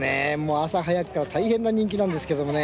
朝早くから大変な人気なんですけどね